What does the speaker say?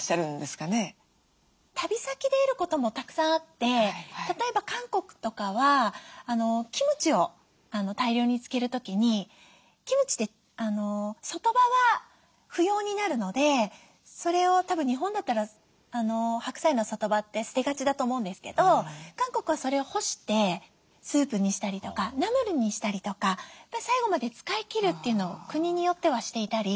旅先で得ることもたくさんあって例えば韓国とかはキムチを大量に漬ける時にキムチって外葉は不要になるのでそれをたぶん日本だったら白菜の外葉って捨てがちだと思うんですけど韓国はそれを干してスープにしたりとかナムルにしたりとか最後まで使い切るというのを国によってはしていたり。